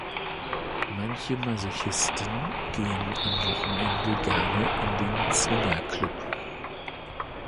Manche Masochisten gehen am Wochenende gerne in den Zwinger-Club.